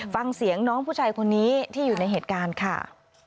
ฟังเสียงน้องผู้ชายคนนี้ที่อยู่ในเหตุการณ์ค่ะ